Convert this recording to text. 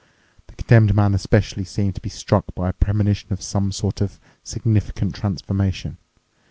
The Condemned Man especially seemed to be struck by a premonition of some sort of significant transformation.